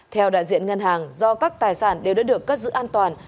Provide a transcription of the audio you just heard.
theo đại diện ngân hàng do các tài sản đều đã được cất giữ an toàn